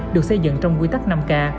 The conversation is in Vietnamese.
được xây dựng trong quy tắc năm k